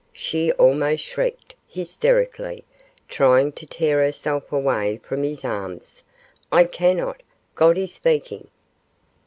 she almost shrieked, hysterically, trying to tear herself away from his arms, 'I cannot; God is speaking.